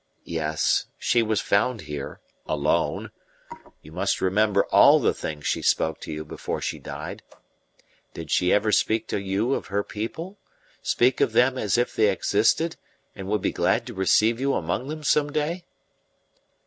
"Yes, she was found here, alone. You must remember all the things she spoke to you before she died. Did she ever speak to you of her people speak of them as if they existed, and would be glad to receive you among them some day?"